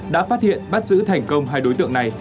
đã phát hiện bắt giữ thành công hai đối tượng này